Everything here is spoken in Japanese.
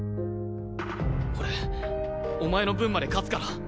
俺お前の分まで勝つから！